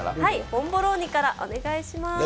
ボンボローニからお願いします。